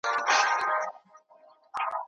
حق به خامخا پر باطل باندي غالب وي.